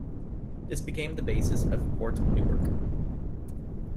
This became the basis of Port Newark.